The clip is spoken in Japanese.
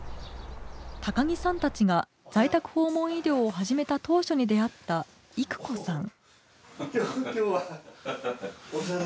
高木さんたちが在宅訪問医療を始めた当初に出会った育子さん。